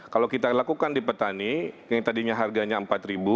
kalau kita lakukan di petani yang tadinya harganya rp empat